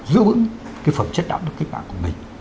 giữ vững cái phẩm chất đạo đức cách mạng của mình